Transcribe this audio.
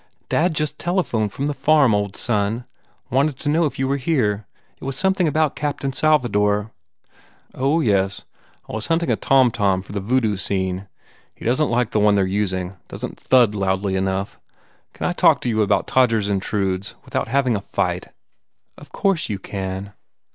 "Dad just telephoned from the farm, old son. Wanted to know if you were here. It was some thing about Captain Salvador ." "Oh, yes. I was hunting a torn torn for the Voodoo scene. He doesn t like the one they re using. Doesn t thud loudly enough. Can I talk to you about Todgers Intrudes without having a fight?" "Of course you can."